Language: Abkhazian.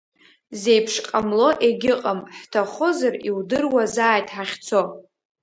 Зеиԥш ҟамло егьыҟам, ҳҭахозар иудыруазааит ҳахьцо…